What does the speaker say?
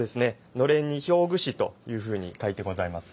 のれんに「表具師」というふうに書いてございます。